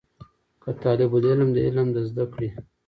که طالب العلم د علم د زده کړې